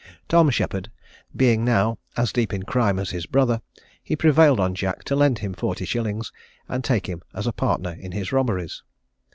Tom Sheppard being now as deep in crime as his brother, he prevailed on Jack to lend him forty shillings, and take him as a partner in his robberies.